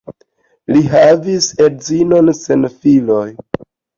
Li havis edzinon sen filoj.